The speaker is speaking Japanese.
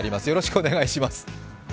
よろしくお願いします。